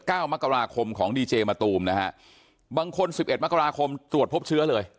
เก้ามกราคมของดีเจมะตูมนะฮะบางคนสิบเอ็ดมกราคมตรวจพบเชื้อเลย